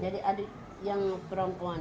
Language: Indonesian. karena ada rombongan